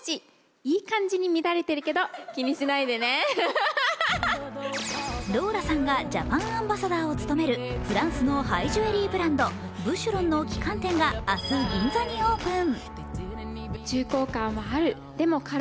特に難しいのはローラさんがジャパンアンバサダーを務めるフランスのハイジュエリーブランドブシュロンの旗艦店が明日、銀座にオープン。